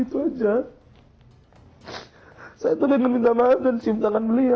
saya tuh udah minta maaf dan cium tangan beliau itu aja